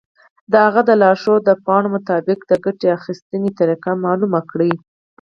د هغه د لارښود پاڼو مطابق د ګټې اخیستنې طریقه معلومه کړئ.